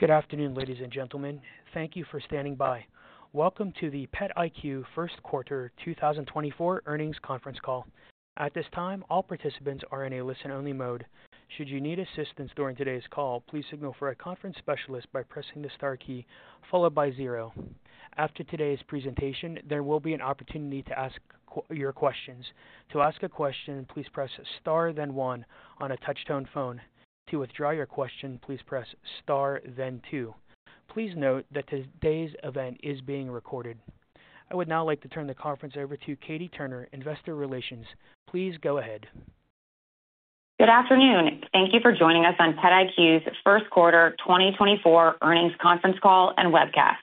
Good afternoon, ladies and gentlemen. Thank you for standing by. Welcome to the PetIQ First Quarter 2024 Earnings Conference Call. At this time, all participants are in a listen-only mode. Should you need assistance during today's call, please signal for a conference specialist by pressing the star key, followed by zero. After today's presentation, there will be an opportunity to ask your questions. To ask a question, please press star, then one on a touch-tone phone. To withdraw your question, please press star, then two. Please note that today's event is being recorded. I would now like to turn the conference over to Katie Turner, Investor Relations. Please go ahead. Good afternoon. Thank you for joining us on PetIQ's First Quarter 2024 Earnings Conference Call and webcast.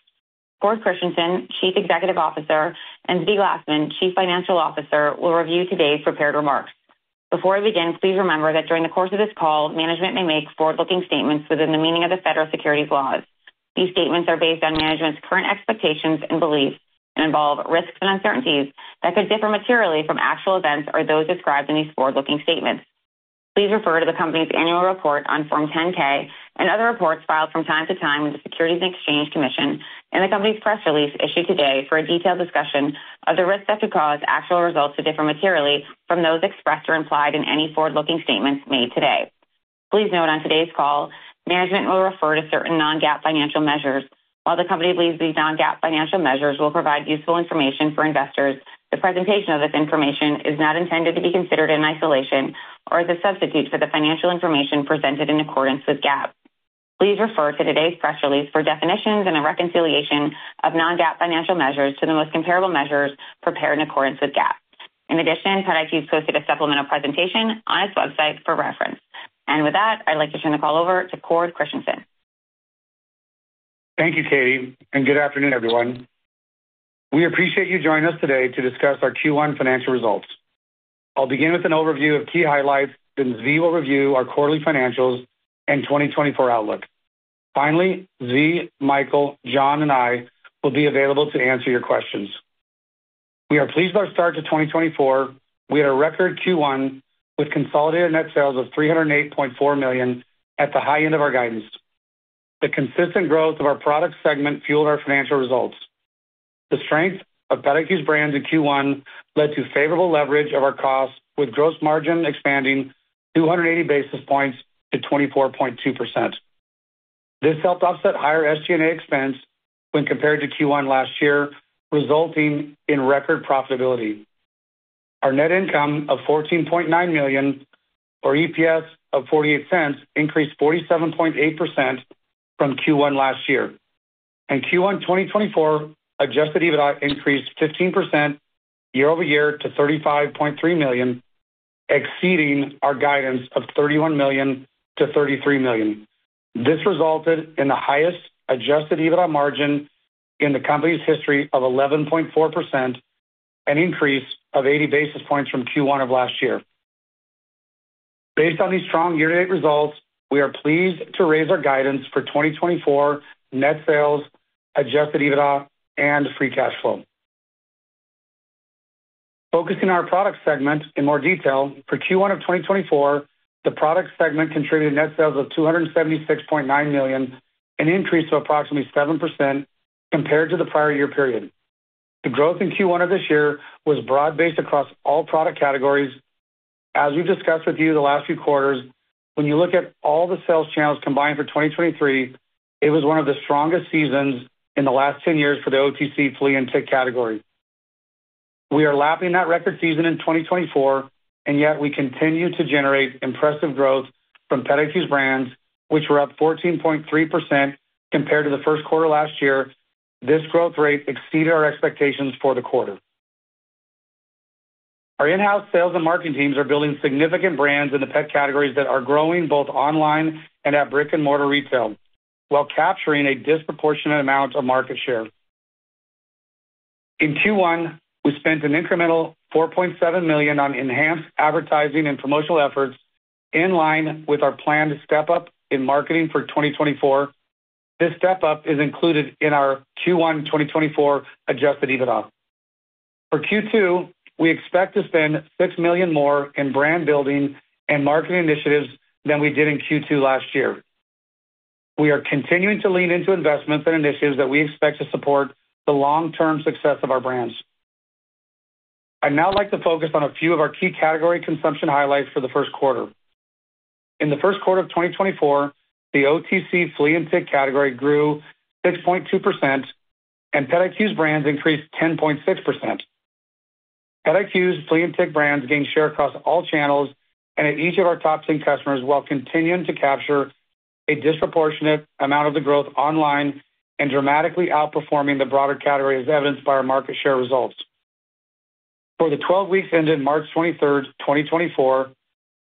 Cord Christensen, Chief Executive Officer, and Zvi Glasman, Chief Financial Officer, will review today's prepared remarks. Before I begin, please remember that during the course of this call, management may make forward-looking statements within the meaning of the federal securities laws. These statements are based on management's current expectations and beliefs and involve risks and uncertainties that could differ materially from actual events or those described in these forward-looking statements. Please refer to the company's annual report on Form 10-K and other reports filed from time to time with the Securities and Exchange Commission and the company's press release issued today for a detailed discussion of the risks that could cause actual results to differ materially from those expressed or implied in any forward-looking statements made today. Please note on today's call, management will refer to certain Non-GAAP financial measures, while the company believes these Non-GAAP financial measures will provide useful information for investors. The presentation of this information is not intended to be considered in isolation or as a substitute for the financial information presented in accordance with GAAP. Please refer to today's press release for definitions and a reconciliation of Non-GAAP financial measures to the most comparable measures prepared in accordance with GAAP. In addition, PetIQ has posted a supplemental presentation on its website for reference. With that, I'd like to turn the call over to Cord Christensen. Thank you, Katie, and good afternoon, everyone. We appreciate you joining us today to discuss our Q1 financial results. I'll begin with an overview of key highlights, then Zvi will review our quarterly financials and 2024 outlook. Finally, Zvi, Michael, John, and I will be available to answer your questions. We are pleased with our start to 2024. We had a record Q1 with consolidated net sales of $308.4 million at the high end of our guidance. The consistent growth of our product segment fueled our financial results. The strength of PetIQ's brand in Q1 led to favorable leverage of our costs, with gross margin expanding 280 basis points to 24.2%. This helped offset higher SG&A expense when compared to Q1 last year, resulting in record profitability. Our net income of $14.9 million, or EPS of $0.48, increased 47.8% from Q1 last year, and Q1 2024 adjusted EBITDA increased 15% year-over-year to $35.3 million, exceeding our guidance of $31 million-$33 million. This resulted in the highest adjusted EBITDA margin in the company's history of 11.4%, an increase of 80 basis points from Q1 of last year. Based on these strong year-to-date results, we are pleased to raise our guidance for 2024 net sales, adjusted EBITDA, and free cash flow. Focusing on our product segment in more detail, for Q1 of 2024, the product segment contributed net sales of $276.9 million, an increase of approximately 7% compared to the prior year period. The growth in Q1 of this year was broad-based across all product categories. As we've discussed with you the last few quarters, when you look at all the sales channels combined for 2023, it was one of the strongest seasons in the last 10 years for the OTC flea and tick category. We are lapping that record season in 2024, and yet we continue to generate impressive growth from PetIQ's brands, which were up 14.3% compared to the first quarter last year. This growth rate exceeded our expectations for the quarter. Our in-house sales and marketing teams are building significant brands in the pet categories that are growing both online and at brick-and-mortar retail while capturing a disproportionate amount of market share. In Q1, we spent an incremental $4.7 million on enhanced advertising and promotional efforts in line with our plan to step up in marketing for 2024. This step-up is included in our Q1 2024 adjusted EBITDA. For Q2, we expect to spend $6 million more in brand building and marketing initiatives than we did in Q2 last year. We are continuing to lean into investments and initiatives that we expect to support the long-term success of our brands. I'd now like to focus on a few of our key category consumption highlights for the first quarter. In the first quarter of 2024, the OTC flea and tick category grew 6.2%, and PetIQ's brands increased 10.6%. PetIQ's flea and tick brands gained share across all channels and at each of our top 10 customers while continuing to capture a disproportionate amount of the growth online and dramatically outperforming the broader category, as evidenced by our market share results. For the 12 weeks ended March 23rd, 2024,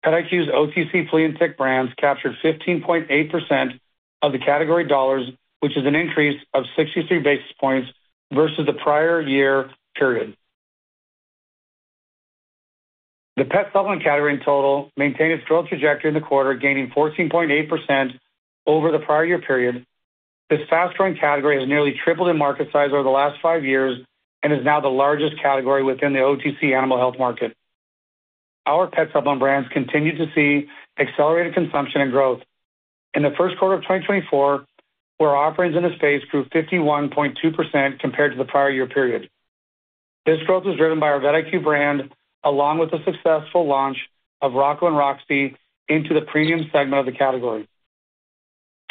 PetIQ's OTC flea and tick brands captured 15.8% of the category dollars, which is an increase of 63 basis points versus the prior year period. The pet supplement category in total maintained its growth trajectory in the quarter, gaining 14.8% over the prior year period. This fast-growing category has nearly tripled in market size over the last five years and is now the largest category within the OTC animal health market. Our pet supplement brands continue to see accelerated consumption and growth. In the first quarter of 2024, our offerings in this space grew 51.2% compared to the prior year period. This growth was driven by our PetIQ brand, along with the successful launch of Rocco & Roxie into the premium segment of the category.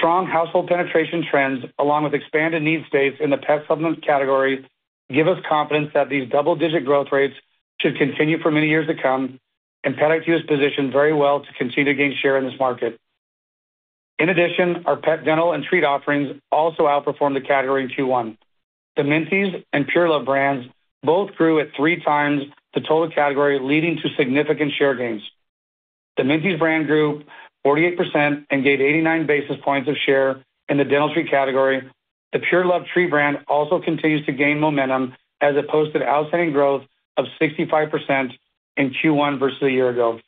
Strong household penetration trends, along with expanded need states in the pet supplement category, give us confidence that these double-digit growth rates should continue for many years to come, and PetIQ is positioned very well to continue to gain share in this market. In addition, our pet dental and treat offerings also outperformed the category in Q1. The Minties and PurLuv brands both grew at three times the total category, leading to significant share gains. The Minties brand grew 48% and gained 89 basis points of share in the dental treat category. The PurLuv treat brand also continues to gain momentum as it posted outstanding growth of 65% in Q1 versus a year ago.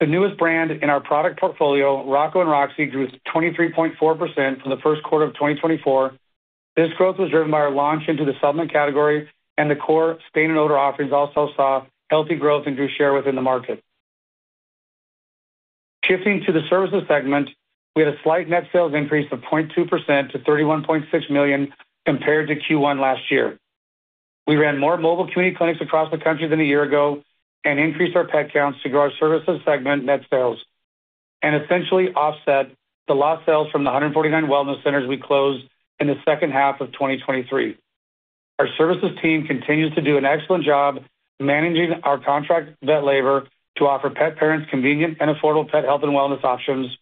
The newest brand in our product portfolio, Rocco & Roxie, grew 23.4% for the first quarter of 2024. This growth was driven by our launch into the supplement category, and the core stain and odor offerings also saw healthy growth and grew share within the market. Shifting to the services segment, we had a slight net sales increase of 0.2% to $31.6 million compared to Q1 last year. We ran more mobile community clinics across the country than a year ago and increased our pet counts to grow our services segment net sales and essentially offset the lost sales from the 149 wellness centers we closed in the second half of 2023. Our services team continues to do an excellent job managing our contract vet labor to offer pet parents convenient and affordable pet health and wellness options.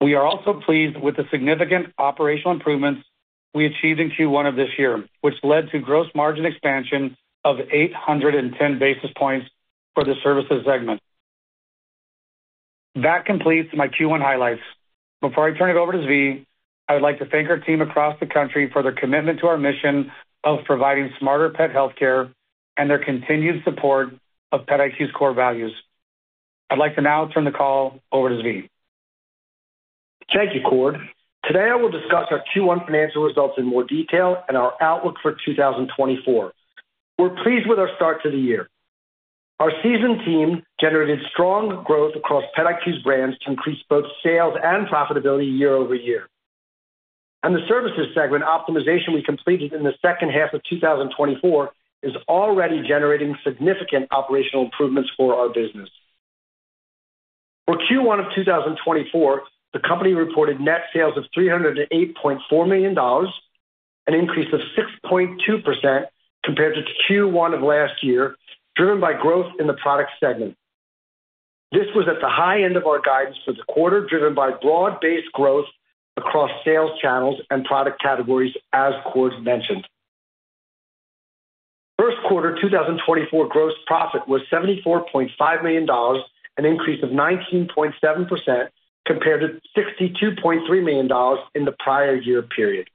We are also pleased with the significant operational improvements we achieved in Q1 of this year, which led to gross margin expansion of 810 basis points for the services segment. That completes my Q1 highlights. Before I turn it over to Zvi, I would like to thank our team across the country for their commitment to our mission of providing smarter pet healthcare and their continued support of PetIQ's core values. I'd like to now turn the call over to Zvi. Thank you, Cord. Today, I will discuss our Q1 financial results in more detail and our outlook for 2024. We're pleased with our start to the year. Our sales team generated strong growth across PetIQ's brands to increase both sales and profitability year-over-year, and the services segment optimization we completed in the second half of 2024 is already generating significant operational improvements for our business. For Q1 of 2024, the company reported net sales of $308.4 million, an increase of 6.2% compared to Q1 of last year, driven by growth in the product segment. This was at the high end of our guidance for the quarter, driven by broad-based growth across sales channels and product categories, as Cord mentioned. First quarter 2024 gross profit was $74.5 million, an increase of 19.7% compared to $62.3 million in the prior year period.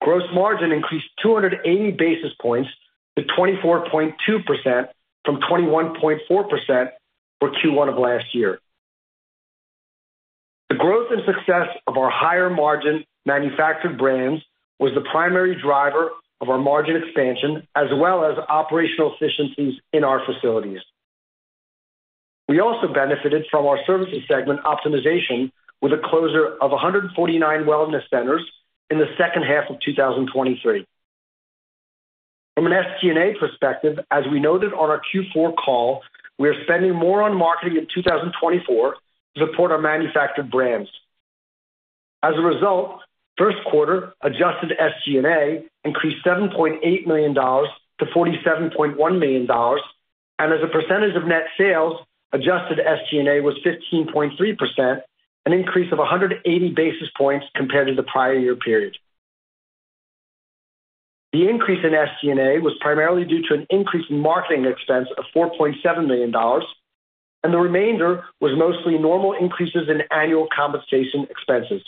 Gross margin increased 280 basis points to 24.2% from 21.4% for Q1 of last year. The growth and success of our higher margin manufactured brands was the primary driver of our margin expansion as well as operational efficiencies in our facilities. We also benefited from our services segment optimization with a closure of 149 wellness centers in the second half of 2023. From an SG&A perspective, as we noted on our Q4 call, we are spending more on marketing in 2024 to support our manufactured brands. As a result, first quarter adjusted SG&A increased $7.8 million to $47.1 million, and as a percentage of net sales, adjusted SG&A was 15.3%, an increase of 180 basis points compared to the prior year period. The increase in SG&A was primarily due to an increase in marketing expense of $4.7 million, and the remainder was mostly normal increases in annual compensation expenses.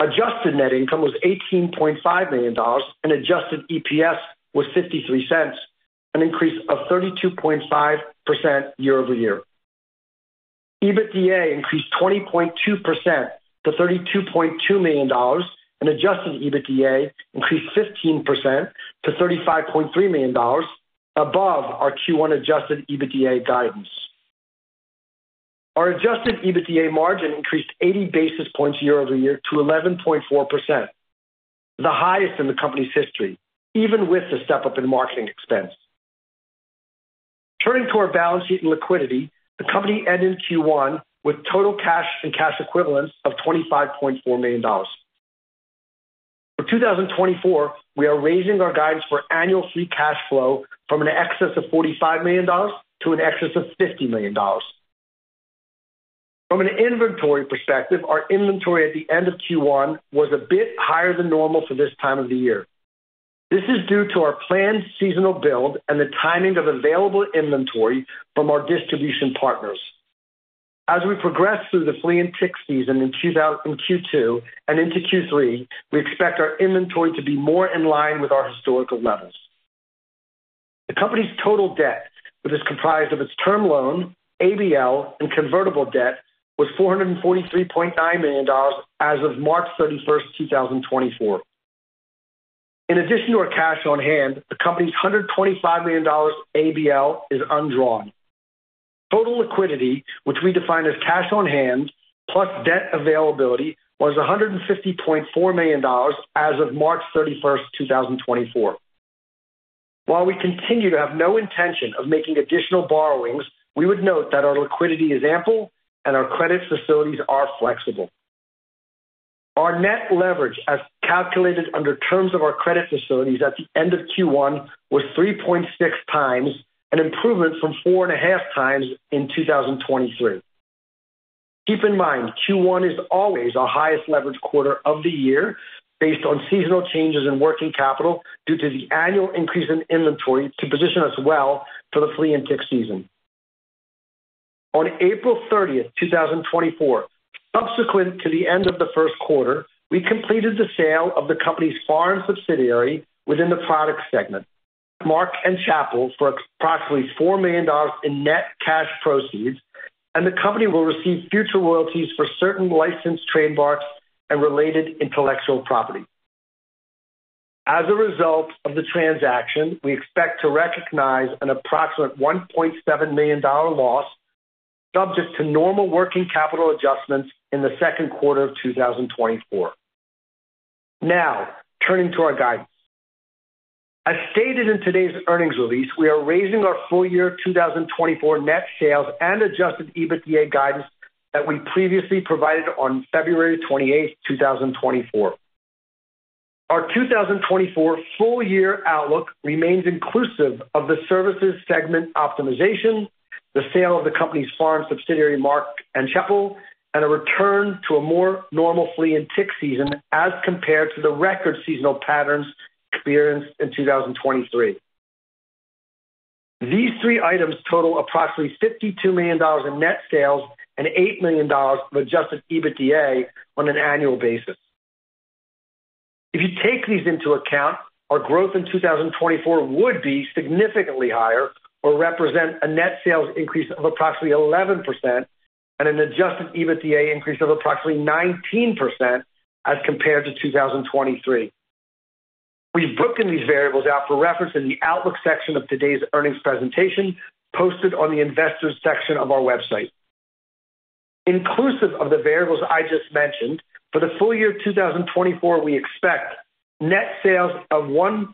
Adjusted net income was $18.5 million, and adjusted EPS was $0.53, an increase of 32.5% year-over-year. EBITDA increased 20.2% to $32.2 million, and adjusted EBITDA increased 15% to $35.3 million, above our Q1 adjusted EBITDA guidance. Our adjusted EBITDA margin increased 80 basis points year-over-year to 11.4%, the highest in the company's history, even with the step-up in marketing expense. Turning to our balance sheet and liquidity, the company ended Q1 with total cash and cash equivalents of $25.4 million. For 2024, we are raising our guidance for annual free cash flow from an excess of $45 million to an excess of $50 million. From an inventory perspective, our inventory at the end of Q1 was a bit higher than normal for this time of the year. This is due to our planned seasonal build and the timing of available inventory from our distribution partners. As we progress through the flea and tick season in Q2 and into Q3, we expect our inventory to be more in line with our historical levels. The company's total debt, which is comprised of its term loan, ABL, and convertible debt, was $443.9 million as of March 31st, 2024. In addition to our cash on hand, the company's $125 million ABL is undrawn. Total liquidity, which we define as cash on hand plus debt availability, was $150.4 million as of March 31st, 2024. While we continue to have no intention of making additional borrowings, we would note that our liquidity is ample and our credit facilities are flexible. Our net leverage, as calculated under terms of our credit facilities at the end of Q1, was 3.6x, an improvement from 4.5x in 2023. Keep in mind, Q1 is always our highest leveraged quarter of the year based on seasonal changes in working capital due to the annual increase in inventory to position us well for the flea and tick season. On April 30th, 2024, subsequent to the end of the first quarter, we completed the sale of the company's foreign subsidiary within the product segment, Mark & Chappell, for approximately $4 million in net cash proceeds, and the company will receive future royalties for certain licensed trademarks and related intellectual property. As a result of the transaction, we expect to recognize an approximate $1.7 million loss subject to normal working capital adjustments in the second quarter of 2024. Now, turning to our guidance. As stated in today's earnings release, we are raising our full year 2024 net sales and adjusted EBITDA guidance that we previously provided on February 28th, 2024. Our 2024 full year outlook remains inclusive of the services segment optimization, the sale of the company's foreign subsidiary Mark & Chappell, and a return to a more normal flea and tick season as compared to the record seasonal patterns experienced in 2023. These three items total approximately $52 million in net sales and $8 million of Adjusted EBITDA on an annual basis. If you take these into account, our growth in 2024 would be significantly higher or represent a net sales increase of approximately 11% and an adjusted EBITDA increase of approximately 19% as compared to 2023. We've broken these variables out for reference in the outlook section of today's earnings presentation posted on the investors section of our website. Inclusive of the variables I just mentioned, for the full year 2024, we expect net sales of $1.135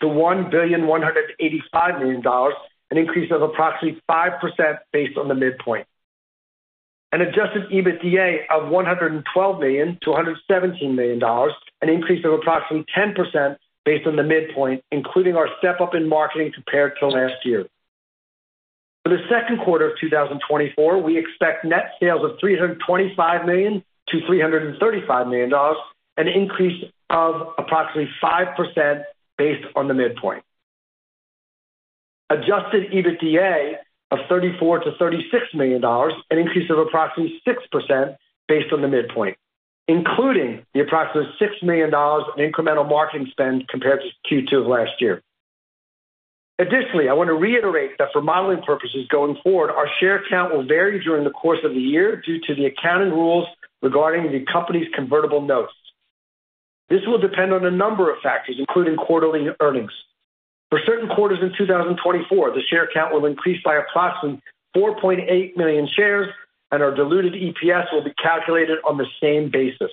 billion-$1.185 billion, an increase of approximately 5% based on the midpoint, an adjusted EBITDA of $112 million-$117 million, an increase of approximately 10% based on the midpoint, including our step-up in marketing compared to last year. For the second quarter of 2024, we expect net sales of $325 million-$335 million, an increase of approximately 5% based on the midpoint, adjusted EBITDA of $34 million-$36 million, an increase of approximately 6% based on the midpoint, including the approximately $6 million in incremental marketing spend compared to Q2 of last year. Additionally, I want to reiterate that for modeling purposes going forward, our share count will vary during the course of the year due to the accounting rules regarding the company's convertible notes. This will depend on a number of factors, including quarterly earnings. For certain quarters in 2024, the share count will increase by approximately 4.8 million shares, and our diluted EPS will be calculated on the same basis.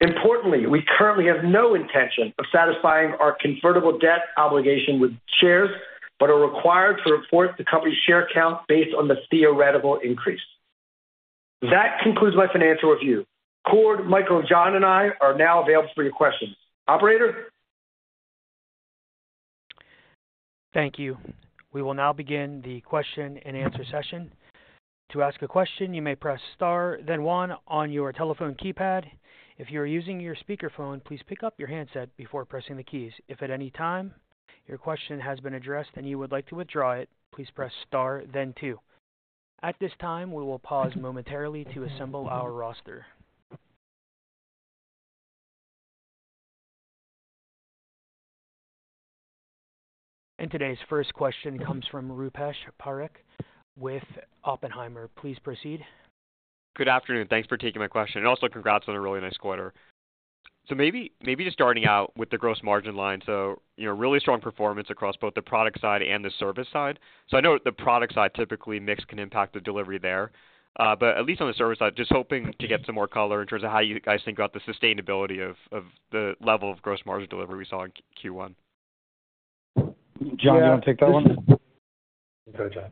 Importantly, we currently have no intention of satisfying our convertible debt obligation with shares but are required to report the company's share count based on the theoretical increase. That concludes my financial review. Cord, Michael, John, and I are now available for your questions. Operator? Thank you. We will now begin the question and answer session. To ask a question, you may press star, then one on your telephone keypad. If you are using your speakerphone, please pick up your handset before pressing the keys. If at any time your question has been addressed and you would like to withdraw it, please press star, then two. At this time, we will pause momentarily to assemble our roster. Today's first question comes from Rupesh Parikh with Oppenheimer. Please proceed. Good afternoon. Thanks for taking my question. And also congrats on a really nice quarter. So maybe just starting out with the gross margin line. So really strong performance across both the product side and the service side. So I know the product side typically mix can impact the delivery there, but at least on the service side, just hoping to get some more color in terms of how you guys think about the sustainability of the level of gross margin delivery we saw in Q1. John, do you want to take that one?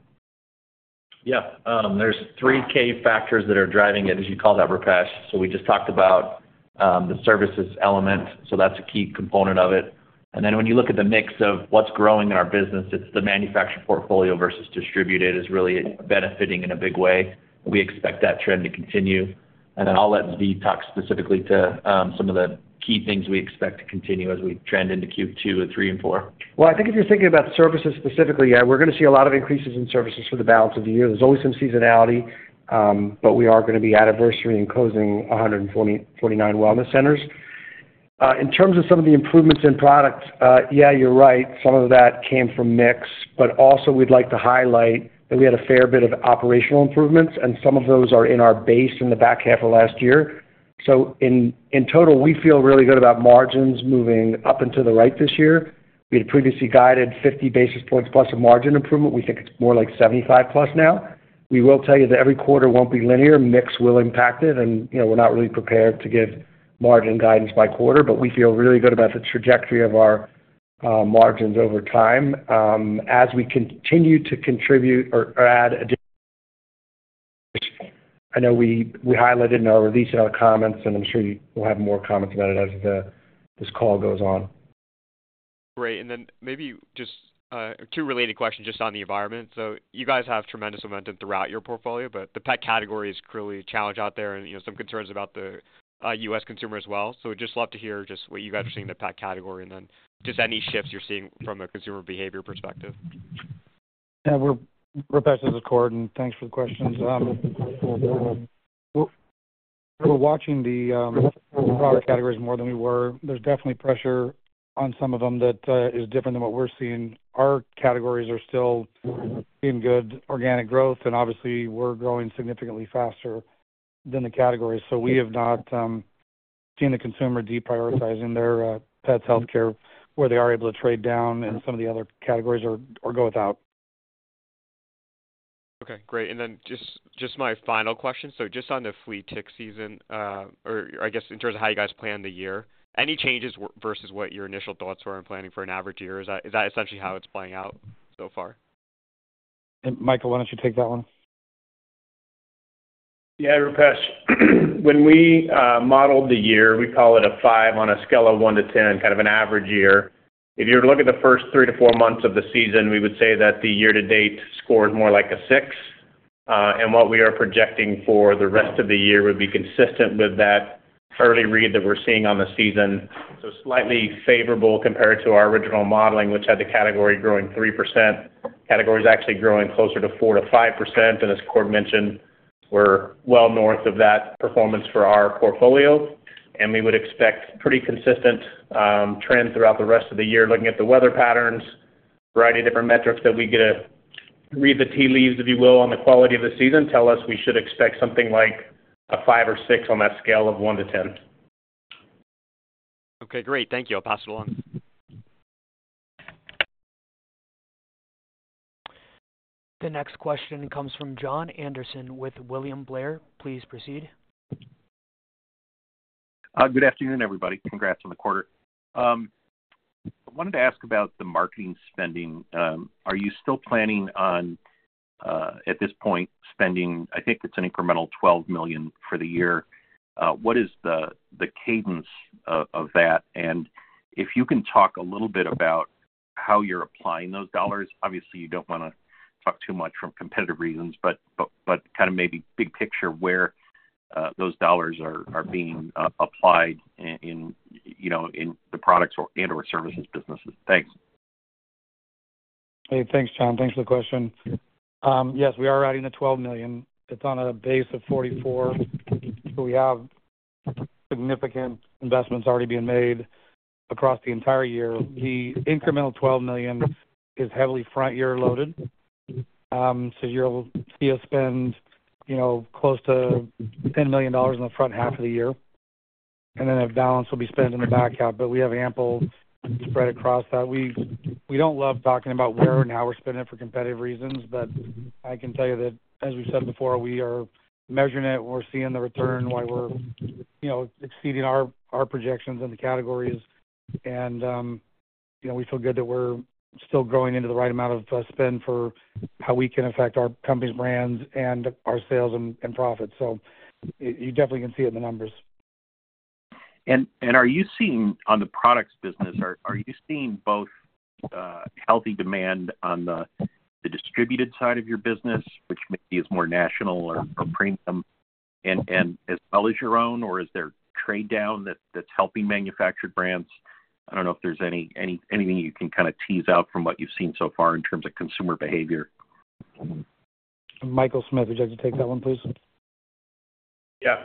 Yeah. There's three key factors that are driving it, as you called out, Rupesh. So we just talked about the services element. So that's a key component of it. And then when you look at the mix of what's growing in our business, it's the manufacturer portfolio versus distributed is really benefiting in a big way. We expect that trend to continue. And then I'll let Zvi talk specifically to some of the key things we expect to continue as we trend into Q2 and Q3 and Q4. Well, I think if you're thinking about services specifically, yeah, we're going to see a lot of increases in services for the balance of the year. There's always some seasonality, but we are going to be anniversary and closing 149 wellness centers. In terms of some of the improvements in product, yeah, you're right. Some of that came from mix. But also, we'd like to highlight that we had a fair bit of operational improvements, and some of those are in our base in the back half of last year. So in total, we feel really good about margins moving up and to the right this year. We had previously guided 50 basis points plus of margin improvement. We think it's more like 75 plus now. We will tell you that every quarter won't be linear. Mix will impact it, and we're not really prepared to give margin guidance by quarter. But we feel really good about the trajectory of our margins over time. As we continue to contribute or add additional, I know we highlighted in our release in our comments, and I'm sure you will have more comments about it as this call goes on. Great. And then maybe just two related questions just on the environment. So you guys have tremendous momentum throughout your portfolio, but the pet category is clearly a challenge out there and some concerns about the U.S. consumer as well. So we'd just love to hear just what you guys are seeing in the pet category and then just any shifts you're seeing from a consumer behavior perspective. Yeah. Rupesh, it's Cord, and thanks for the questions. We're watching the product categories more than we were. There's definitely pressure on some of them that is different than what we're seeing. Our categories are still seeing good organic growth, and obviously, we're growing significantly faster than the categories. So we have not seen the consumer deprioritizing their pets healthcare where they are able to trade down, and some of the other categories go without. Okay. Great. And then just my final question. So just on the flea and tick season, or I guess in terms of how you guys plan the year, any changes versus what your initial thoughts were on planning for an average year? Is that essentially how it's playing out so far? Michael, why don't you take that one? Yeah. Rupesh, when we modeled the year, we call it a 5 on a scale of 1 to 10, kind of an average year. If you were to look at the first three-four months of the season, we would say that the year-to-date score is more like a 6. And what we are projecting for the rest of the year would be consistent with that early read that we're seeing on the season. So slightly favorable compared to our original modeling, which had the category growing 3%. Category is actually growing closer to 4%-5%. And as Cord mentioned, we're well north of that performance for our portfolio. And we would expect pretty consistent trends throughout the rest of the year. Looking at the weather patterns, a variety of different metrics that we get to read the tea leaves, if you will, on the quality of the season, tell us we should expect something like a 5 or 6 on that scale of 1 to 10. Okay. Great. Thank you. I'll pass it along. The next question comes from Jon Andersen with William Blair. Please proceed. Good afternoon, everybody. Congrats on the quarter. I wanted to ask about the marketing spending. Are you still planning on, at this point, spending, I think it's an incremental $12 million for the year. What is the cadence of that? And if you can talk a little bit about how you're applying those dollars, obviously, you don't want to talk too much from competitive reasons, but kind of maybe big picture where those dollars are being applied in the products and/or services businesses. Thanks. Hey. Thanks, Jon. Thanks for the question. Yes, we are adding the $12 million. It's on a base of $44 million. So we have significant investments already being made across the entire year. The incremental $12 million is heavily front-year loaded. So you'll see us spend close to $10 million in the front half of the year. And then the balance will be spent in the back half. But we have ample spread across that. We don't love talking about where and how we're spending it for competitive reasons, but I can tell you that, as we've said before, we are measuring it. We're seeing the return while we're exceeding our projections in the categories. And we feel good that we're still growing into the right amount of spend for how we can affect our company's brands and our sales and profits. So you definitely can see it in the numbers. Are you seeing on the products business are you seeing both healthy demand on the distributed side of your business, which maybe is more national or premium, as well as your own, or is there trade-down that's helping manufactured brands? I don't know if there's anything you can kind of tease out from what you've seen so far in terms of consumer behavior. Michael Smith, would you like to take that one, please? Yeah.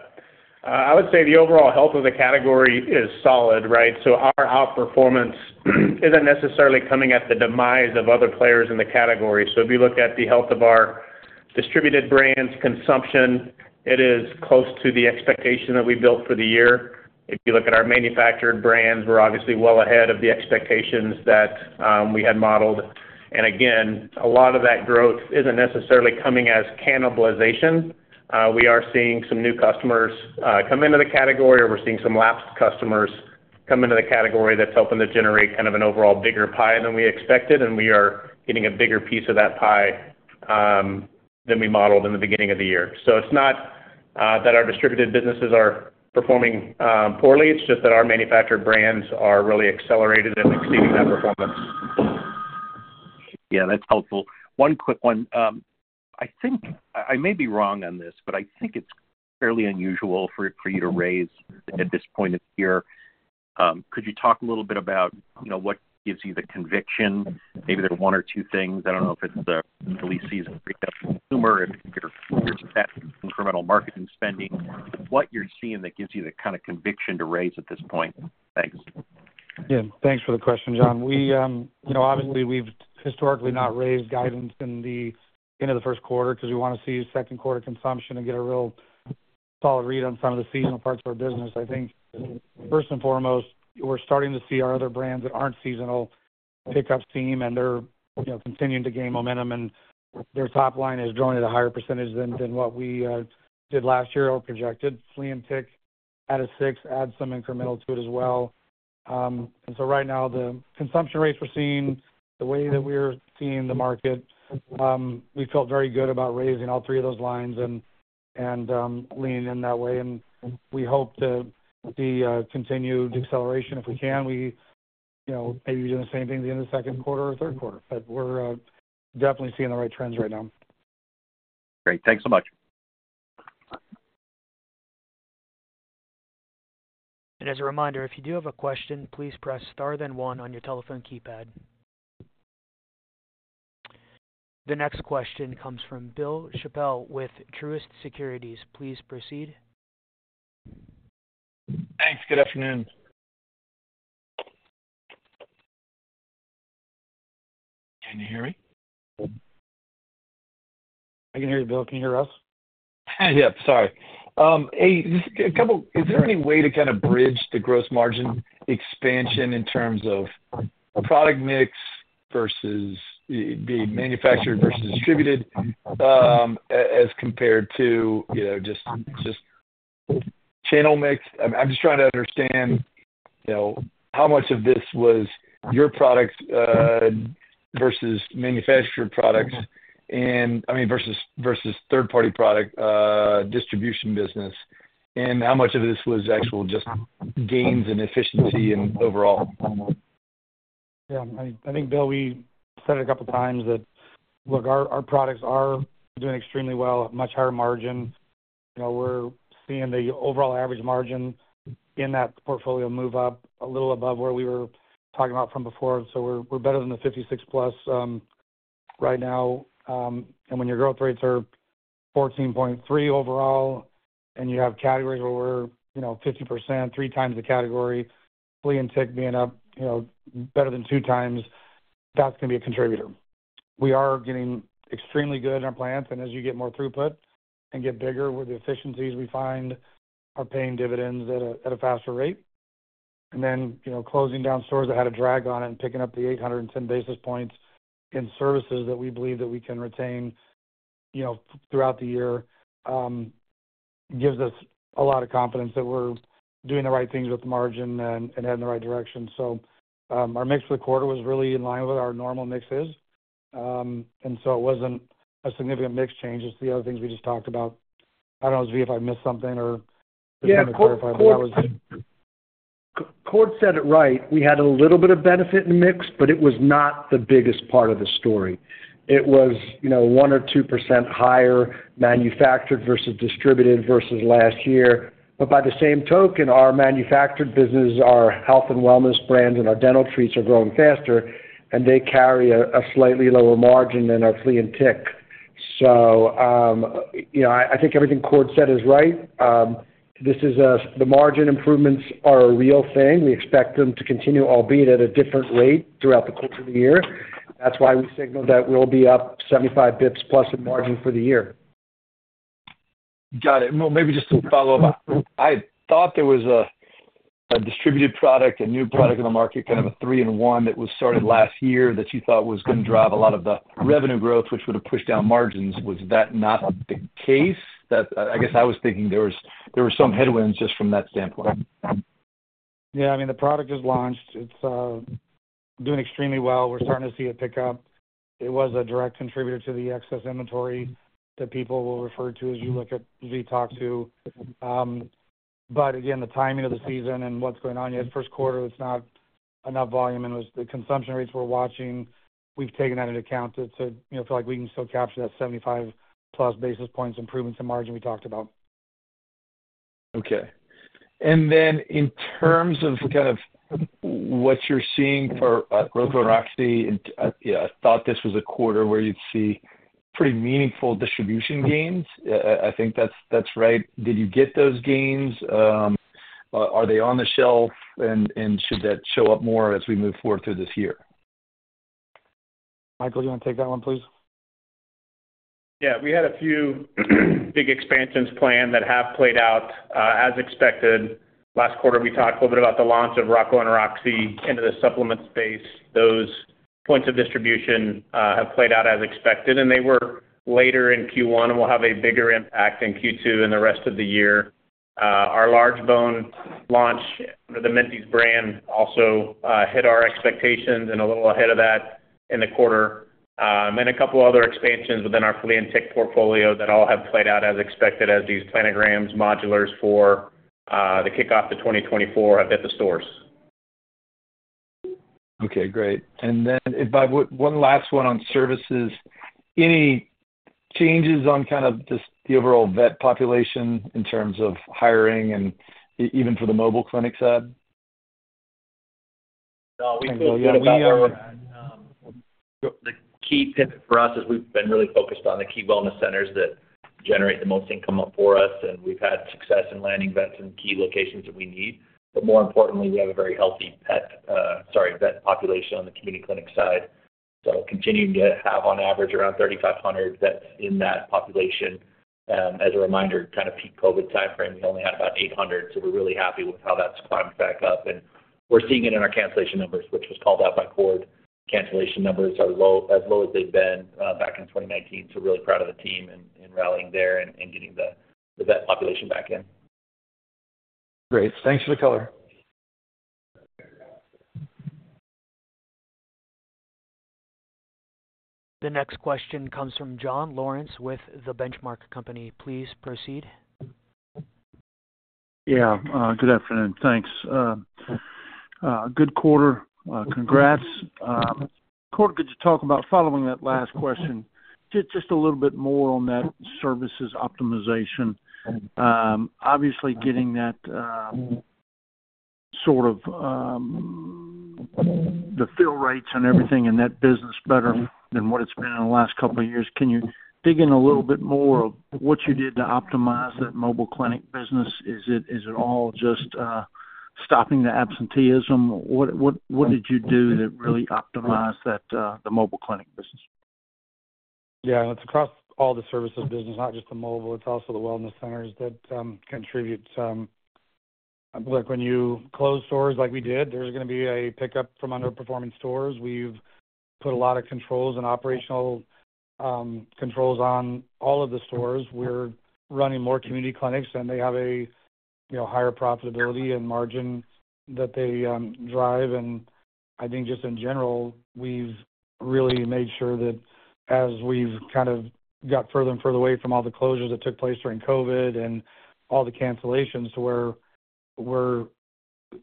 I would say the overall health of the category is solid, right? So our outperformance isn't necessarily coming at the demise of other players in the category. So if you look at the health of our distributed brands' consumption, it is close to the expectation that we built for the year. If you look at our manufactured brands, we're obviously well ahead of the expectations that we had modeled. And again, a lot of that growth isn't necessarily coming as cannibalization. We are seeing some new customers come into the category, or we're seeing some lapsed customers come into the category that's helping to generate kind of an overall bigger pie than we expected. And we are getting a bigger piece of that pie than we modeled in the beginning of the year. So it's not that our distributed businesses are performing poorly. It's just that our manufactured brands are really accelerated and exceeding that performance. Yeah. That's helpful. One quick one. I may be wrong on this, but I think it's fairly unusual for you to raise at this point of the year. Could you talk a little bit about what gives you the conviction? Maybe there are one or two things. I don't know if it's the flea season recovery consumer, if you're incremental marketing spending. What you're seeing that gives you the kind of conviction to raise at this point? Thanks. Yeah. Thanks for the question, Jon. Obviously, we've historically not raised guidance in the end of the first quarter because we want to see second-quarter consumption and get a real solid read on some of the seasonal parts of our business. I think, first and foremost, we're starting to see our other brands that aren't seasonal pick up steam, and they're continuing to gain momentum. And their top line is drawing at a higher percentage than what we did last year or projected. Flea and tick add a 6, add some incremental to it as well. And so right now, the consumption rates we're seeing, the way that we're seeing the market, we felt very good about raising all three of those lines and leaning in that way. And we hope to see continued acceleration if we can. Maybe we do the same thing at the end of the second quarter or third quarter. But we're definitely seeing the right trends right now. Great. Thanks so much. As a reminder, if you do have a question, please press star, then one on your telephone keypad. The next question comes from Bill Chappell with Truist Securities. Please proceed. Thanks. Good afternoon. Can you hear me? I can hear you, Bill. Can you hear us? Yep. Sorry. A couple, is there any way to kind of bridge the gross margin expansion in terms of product mix versus being manufactured versus distributed as compared to just channel mix? I'm just trying to understand how much of this was your products versus manufactured products and I mean, versus third-party product distribution business, and how much of this was actual just gains and efficiency and overall? Yeah. I think, Bill, we said it a couple of times that, look, our products are doing extremely well, much higher margin. We're seeing the overall average margin in that portfolio move up a little above where we were talking about from before. So we're better than the 56%+ right now. And when your growth rates are 14.3% overall and you have categories where we're 50%, 3x the category, flea and tick being up better than 2x, that's going to be a contributor. We are getting extremely good in our plants. And as you get more throughput and get bigger, where the efficiencies we find are paying dividends at a faster rate. And then closing down stores that had a drag on it and picking up the 810 basis points in services that we believe that we can retain throughout the year gives us a lot of confidence that we're doing the right things with the margin and heading the right direction. So our mix for the quarter was really in line with what our normal mix is. And so it wasn't a significant mix change. It's the other things we just talked about. I don't know, Zvi, if I missed something or just wanted to clarify. Cord said it right. We had a little bit of benefit in the mix, but it was not the biggest part of the story. It was 1% or 2% higher manufactured versus distributed versus last year. But by the same token, our manufactured business, our health and wellness brands, and our dental treats are growing faster, and they carry a slightly lower margin than our flea and tick. So I think everything Cord said is right. The margin improvements are a real thing. We expect them to continue, albeit at a different rate throughout the course of the year. That's why we signaled that we'll be up 75 basis points plus in margin for the year. Got it. Well, maybe just to follow up. I thought there was a distributed product, a new product in the market, kind of a three-in-one that was started last year that you thought was going to drive a lot of the revenue growth, which would have pushed down margins. Was that not the case? I guess I was thinking there were some headwinds just from that standpoint. Yeah. I mean, the product just launched. It's doing extremely well. We're starting to see it pick up. It was a direct contributor to the excess inventory that people will refer to as you look at Zvi talk to. But again, the timing of the season and what's going on yet first quarter, it's not enough volume. And the consumption rates we're watching, we've taken that into account to feel like we can still capture that 75+ basis points improvements in margin we talked about. Okay. And then in terms of kind of what you're seeing for Rocco & Roxie, I thought this was a quarter where you'd see pretty meaningful distribution gains. I think that's right. Did you get those gains? Are they on the shelf, and should that show up more as we move forward through this year? Michael, do you want to take that one, please? Yeah. We had a few big expansions planned that have played out as expected. Last quarter, we talked a little bit about the launch of Rocco & Roxie into the supplement space. Those points of distribution have played out as expected. And they were later in Q1, and we'll have a bigger impact in Q2 and the rest of the year. Our large-bone launch under the Minties brand also hit our expectations and a little ahead of that in the quarter. And a couple of other expansions within our flea and tick portfolio that all have played out as expected, as these planograms, modulars for the kickoff to 2024 have hit the stores. Okay. Great. And then one last one on services. Any changes on kind of just the overall vet population in terms of hiring and even for the mobile clinic side? No. We feel like we've got better on the key pivot for us is we've been really focused on the key wellness centers that generate the most income up for us. And we've had success in landing vets in key locations that we need. But more importantly, we have a very healthy pet sorry, vet population on the community clinic side. So continuing to have, on average, around 3,500 vets in that population. As a reminder, kind of peak COVID timeframe, we only had about 800. So we're really happy with how that's climbed back up. And we're seeing it in our cancellation numbers, which was called out by Cord. Cancellation numbers are as low as they've been back in 2019. So really proud of the team in rallying there and getting the vet population back in. Great. Thanks for the color. The next question comes from John Lawrence with The Benchmark Company. Please proceed. Yeah. Good afternoon. Thanks. Good quarter. Congrats. Cord, could you talk about following that last question just a little bit more on that services optimization? Obviously, getting that sort of the fill rates and everything in that business better than what it's been in the last couple of years. Can you dig in a little bit more of what you did to optimize that mobile clinic business? Is it all just stopping the absenteeism? What did you do that really optimized the mobile clinic business? Yeah. And it's across all the services business, not just the mobile. It's also the wellness centers that contribute. I feel like when you close stores like we did, there's going to be a pickup from underperforming stores. We've put a lot of controls and operational controls on all of the stores. We're running more community clinics, and they have a higher profitability and margin that they drive. And I think just in general, we've really made sure that as we've kind of got further and further away from all the closures that took place during COVID and all the cancellations to where we're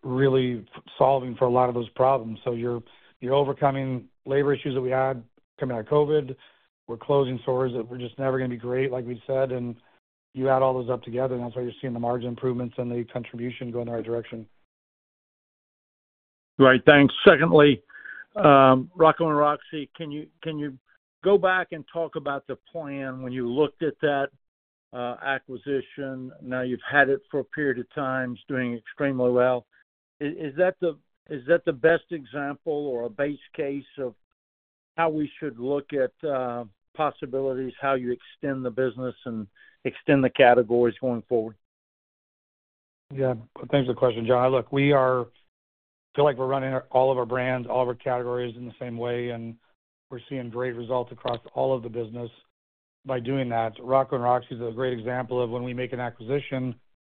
really solving for a lot of those problems. So you're overcoming labor issues that we had coming out of COVID. We're closing stores that were just never going to be great like we'd said. You add all those up together, and that's why you're seeing the margin improvements and the contribution go in the right direction. Right. Thanks. Secondly, Rocco & Roxie, can you go back and talk about the plan when you looked at that acquisition? Now, you've had it for a period of time doing extremely well. Is that the best example or a base case of how we should look at possibilities, how you extend the business and extend the categories going forward? Yeah. Thanks for the question, John. Look, we feel like we're running all of our brands, all of our categories in the same way, and we're seeing great results across all of the business by doing that. Rocco & Roxie is a great example of when we make an acquisition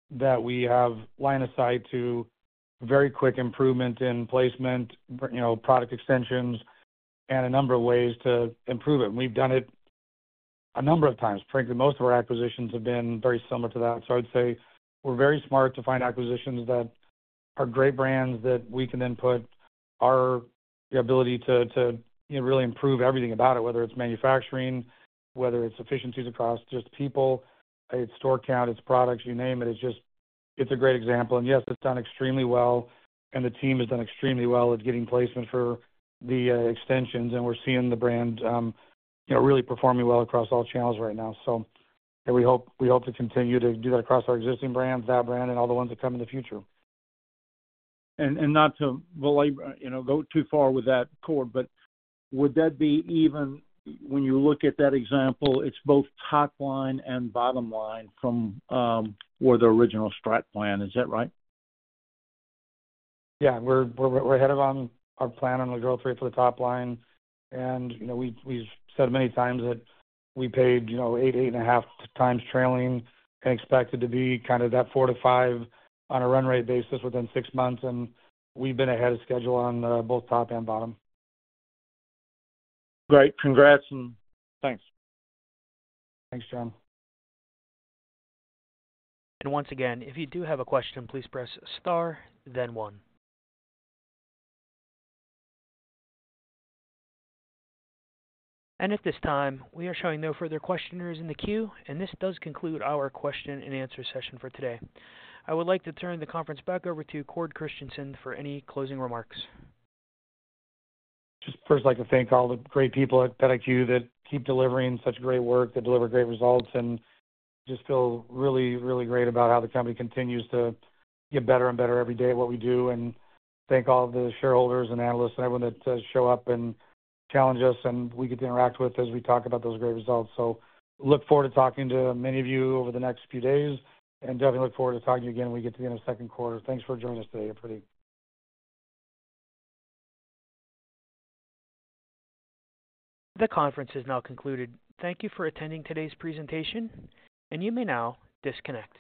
that we have line of sight to very quick improvement in placement, product extensions, and a number of ways to improve it. And we've done it a number of times. Frankly, most of our acquisitions have been very similar to that. So I'd say we're very smart to find acquisitions that are great brands that we can then put our ability to really improve everything about it, whether it's manufacturing, whether it's efficiencies across just people, it's store count, it's products, you name it. It's a great example. Yes, it's done extremely well, and the team has done extremely well at getting placement for the extensions. We're seeing the brand really performing well across all channels right now. We hope to continue to do that across our existing brands, that brand, and all the ones that come in the future. Not to go too far with that, Cord, but would that be even when you look at that example, it's both top line and bottom line from where the original strat plan? Is that right? Yeah. We're ahead of our plan on the growth rate for the top line. We've said many times that we paid 8-8.5 times trailing and expected to be kind of that 4-5 on a run rate basis within six months. We've been ahead of schedule on both top and bottom. Great. Congrats. Thanks. Thanks, John. Once again, if you do have a question, please press star, then one. At this time, we are showing no further questioners in the queue. This does conclude our question and answer session for today. I would like to turn the conference back over to Cord Christensen for any closing remarks. Just first, I'd like to thank all the great people at PetIQ that keep delivering such great work, that deliver great results, and just feel really, really great about how the company continues to get better and better every day at what we do. Thank all of the shareholders and analysts and everyone that shows up and challenges us and we get to interact with as we talk about those great results. Look forward to talking to many of you over the next few days, and definitely look forward to talking to you again when we get to the end of second quarter. Thanks for joining us today. The conference has now concluded. Thank you for attending today's presentation, and you may now disconnect.